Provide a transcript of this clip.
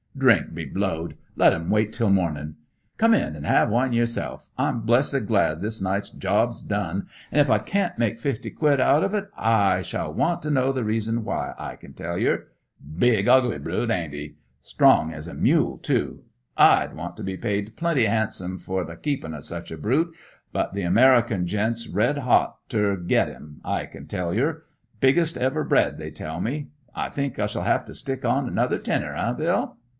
"Drink be blowed! Let 'im wait till mornin'. Come in an' 'ave one yerself. I'm blessed glad this night's job's done; an' if I can't make fifty quid out 've it, I shall want to know the reason why, I can tell yer. Big, ugly brute, ain't 'e! Strong as a mule, too. I'd want to be paid pretty 'andsome fer the keepin' o' such a brute; but the American gent's red 'ot ter get 'im, I can tell yer. Biggest ever bred, they tell me. I think I shall 'ave to stick on another tenner, eh, Bill?